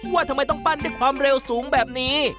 ว่าทำไมต้องปั้นด้วยความเร็วสูงแบบนี้